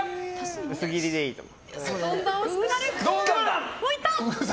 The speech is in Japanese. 薄切りでいいと思う。